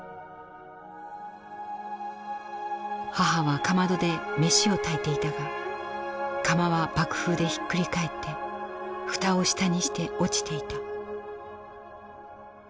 「母はかまどで飯を炊いていたが釜は爆風でひっくり返って蓋を下にして落ちていた。